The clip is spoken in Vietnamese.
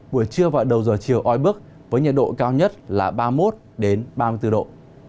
buổi trưa và đầu giờ chiều oi bức với nhiệt độ cao nhất là ba mươi một ba mươi bốn độ